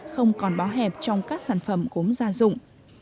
không còn bó hẹp trong các sản phẩm gốm gia dụng